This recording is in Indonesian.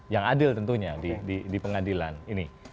yang adil tentunya di pengadilan ini